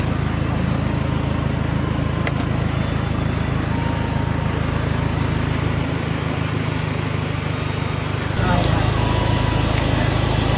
พี่ชอบจริงบอกว่าชอบทุกทุก